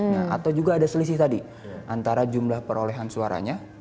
nah atau juga ada selisih tadi antara jumlah perolehan suaranya